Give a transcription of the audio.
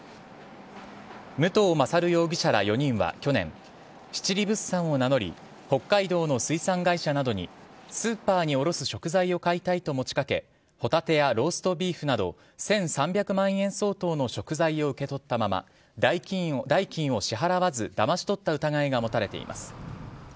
武藤勝容疑者ら４人は去年七里物産を名乗り北海道の水産会社などにスーパーに卸す食材を買いたいと持ちかけホタテやローストビーフなど１３００万円相当の食材を受け取ったまま代金を支払わずだまし取った疑いが持たれています。